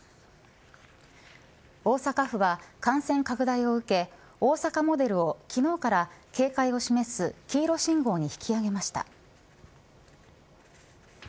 大阪府は感染拡大を受け大阪モデルを昨日から警戒を示す黄色信号に引き上げました。